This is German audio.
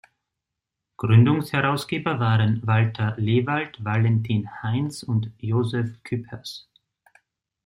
Gründungsherausgeber waren Walter Lewald, Valentin Heins und Josef Cüppers.